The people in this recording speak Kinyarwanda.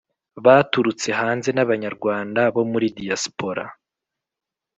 baturutse hanze nabanyarwanda bo muri diaspora,